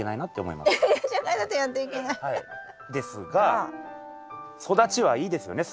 ですが育ちはいいですよね